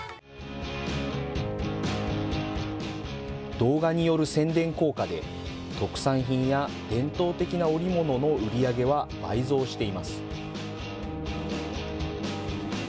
動画による宣伝効果で、特産品や伝統的な織物の売り上げは倍増しています。